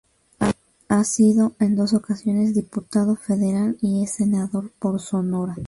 Ha sido en dos ocasiones Diputado Federal y es Senador por Sonora.